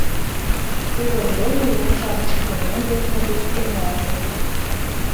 Тудын дене еҥ-шамыч кылмен вочмо деч эмлалтыт!